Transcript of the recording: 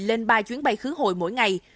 lên ba chuyến bay khứ hội mỗi ngày